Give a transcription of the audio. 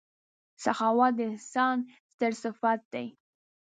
• سخاوت د انسان ستر صفت دی.